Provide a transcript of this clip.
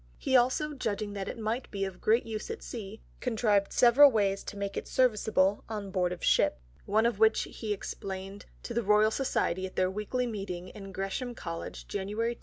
He also judging that it might be of great use at Sea, contrived several ways to make it serviceable on Board of Ship; one of which he explain'd to the Royal Society at their Weekly Meeting in Gresham College, _January 2.